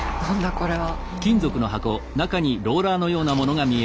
これは。